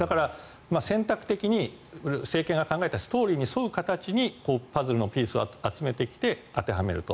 選択的に政権が考えたストーリーに沿う形にパズルのピースを集めてきて、当てはめると。